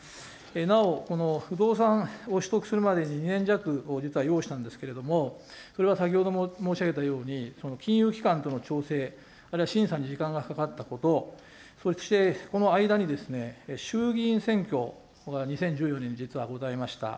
なお、この不動産を取得するまでに２年弱を実は要したんですけれども、それは先ほども申し上げたように、金融機関との調整、あるいは審査に時間がかかったこと、そしてその間に衆議院選挙が２０１４年に実はございました。